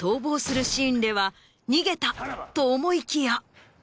「逃げた！」と思いきや。